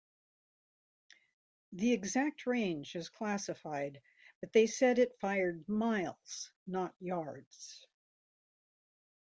The exact range is classified, but they said it fired "miles not yards".